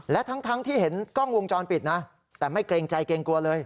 และทั้งที่เห็นกล้องวงจรปิดนะแต่ไม่เกรงใจเกรงกลัวเลย